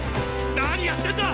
何やってんだ！